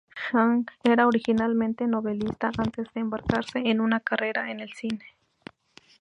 Zhang era originalmente novelista antes de embarcarse en una carrera en el cine.